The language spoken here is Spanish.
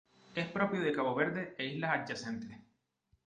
Es propio de Cabo Verde e islas adyacentes.